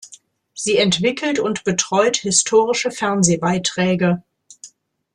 Sie entwickelt und betreut historische Fernsehbeiträge.